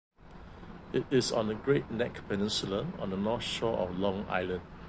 It is on the Great Neck Peninsula on the North Shore of Long Island.